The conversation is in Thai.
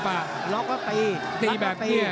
เอกนันแดง